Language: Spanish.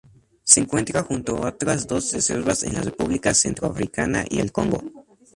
Se encuentra junto a otras dos reservas en la República Centroafricana y el Congo.